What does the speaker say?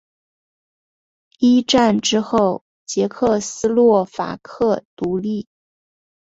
一战之后捷克斯洛伐克独立。